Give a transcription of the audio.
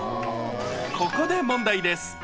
ここで問題です。